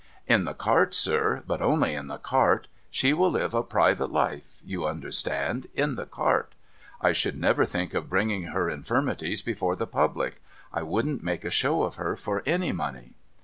' In the cart, sir, but only in the cart. She will live a private life, you understand, in the cart. I should never think of bringing her infirmities before the public. I wouldn't make a show of her for any money.'